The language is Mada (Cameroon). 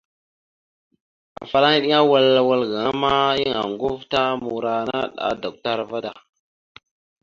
Afalaŋa eɗeŋa awal wal gaŋa ma, yan oŋgov ta morara naɗ a duktar da.